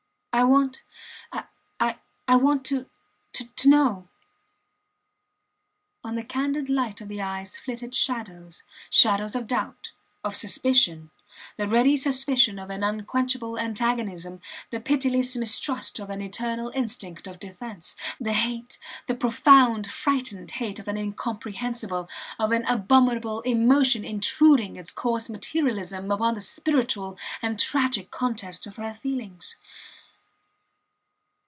I want ... I want ... to ... to ... know ... On the candid light of the eyes flitted shadows; shadows of doubt, of suspicion, the ready suspicion of an unquenchable antagonism, the pitiless mistrust of an eternal instinct of defence; the hate, the profound, frightened hate of an incomprehensible of an abominable emotion intruding its coarse materialism upon the spiritual and tragic contest of her feelings.